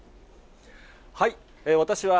私は、